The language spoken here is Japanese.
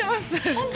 本当？